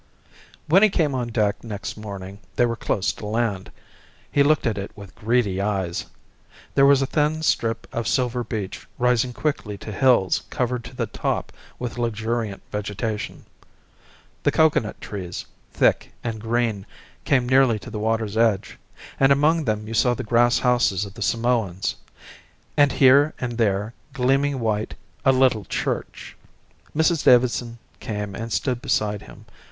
When he came on deck next morning they were close to land. He looked at it with greedy eyes. There was a thin strip of silver beach rising quickly to hills covered to the top with luxuriant vegetation. The coconut trees, thick and green, came nearly to the water's edge, and among them you saw the grass houses of the Samoans; and here and there, gleaming white, a little church. Mrs Davidson came and stood beside him.